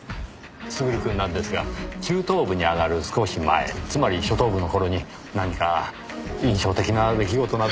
優くんなんですが中等部に上がる少し前つまり初等部の頃に何か印象的な出来事などは。